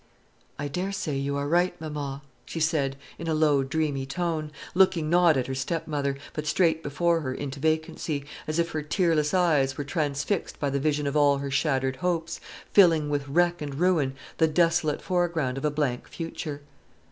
"I dare say you are right, mamma," she said in a low dreamy tone, looking not at her stepmother, but straight before her into vacancy, as if her tearless eyes ware transfixed by the vision of all her shattered hopes, filling with wreck and ruin the desolate foreground of a blank future.